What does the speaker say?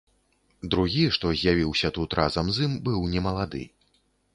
Другі, што з'явіўся тут разам з ім, быў немалады.